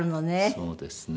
そうですね。